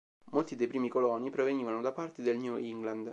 Molti dei primi coloni provenivano da parti del New England.